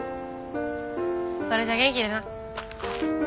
それじゃ元気でな。